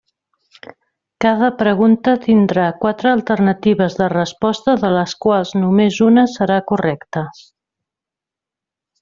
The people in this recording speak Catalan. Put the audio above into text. Cada pregunta tindrà quatre alternatives de resposta de les quals només una serà correcta.